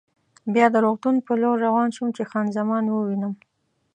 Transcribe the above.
بیا د روغتون په لور روان شوم چې خان زمان ووینم.